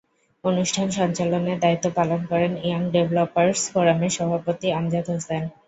অনুষ্ঠান সঞ্চালনের দায়িত্ব পালন করেন ইয়াং ডেভেলপারস ফোরামের সভাপতি আমজাদ হোসেন।